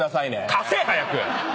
貸せ早く！